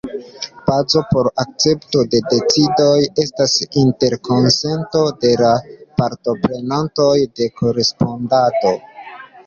Bazo por akcepto de decidoj estas interkonsento de la partoprenantoj de korespondado.